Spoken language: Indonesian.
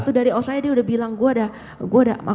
waktu dari australia dia udah bilang gue ada